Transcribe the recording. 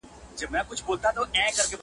چي مجبور یې قلندر په کرامت کړ٫